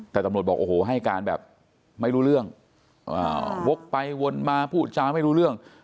แต่ตำรวจบอกโอ้โหให้การแบบไม่รู้เรื่องวกไปวนมาพูดจาไม่รู้เรื่อง